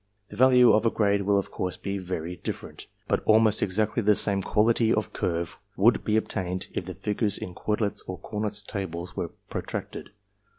The value of a grade will of course be very different, but almost exactly the same quality of curve would be obtained if the figures in Quetelet's or in Cournot's tables were protracted.